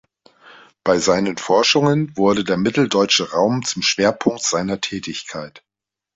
Bei seinen Forschungen wurde der mitteldeutsche Raum zum Schwerpunkt seiner Tätigkeit.